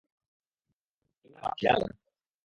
তুমি সবসময় আমার খেয়াল রাখো।